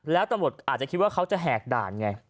แล้วตำรวจอาจจะคิดว่าเขาจะแหกด่านไง